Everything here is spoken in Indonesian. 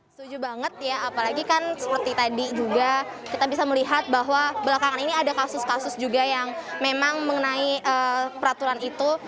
setuju banget ya apalagi kan seperti tadi juga kita bisa melihat bahwa belakangan ini ada kasus kasus juga yang memang mengenai peraturan itu